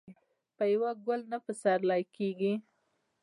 په یو ګل نه پسرلې کیږي.